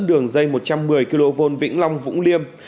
đường dây một trăm một mươi kv vĩnh long vũng liêm